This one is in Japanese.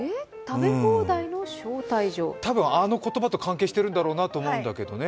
多分あの言葉と関係してるんだろうなと思うんだけどね。